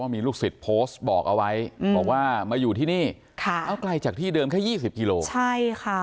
มีลูกศิษย์โพสต์บอกเอาไว้บอกว่ามาอยู่ที่นี่ค่ะเอาไกลจากที่เดิมแค่๒๐กิโลใช่ค่ะ